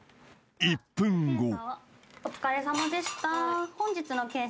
［１分後］